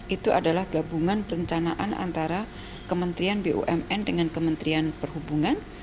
itu adalah gabungan perencanaan antara kementerian bumn dengan kementerian perhubungan